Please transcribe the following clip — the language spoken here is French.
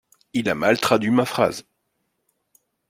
Il a mal traduit ma phrase.